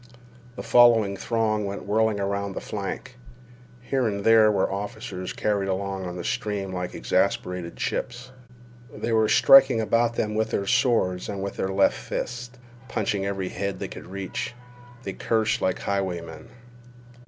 The following throng went whirling around the flank. Here and there were officers carried along on the stream like exasperated chips. They were striking about them with their swords and with their left fists, punching every head they could reach. They cursed like highwaymen.